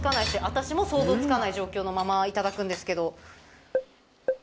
私も想像つかない状況のままいただくんですけど。